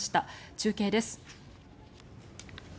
中継です。